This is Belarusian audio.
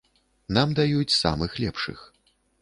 Нам даюць самых лепшых.